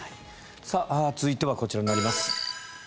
続いてはこちらになります。